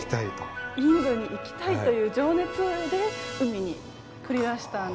インドに行きたいという情熱で海に繰り出したんですよね。